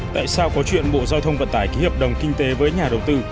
tại sao có chuyện bộ giao thông vận tải ký hợp đồng kinh tế với nhà đầu tư